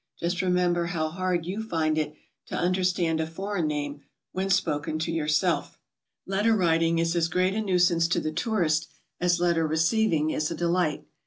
Just remember how hard you find it to understand a foreign name when spoken to yourself. Letter writing is as great a nuisance to the tourist as letter receiving is a delight.